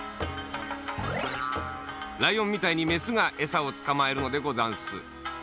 ライオンみたいにメスがえさをつかまえるのでござんす。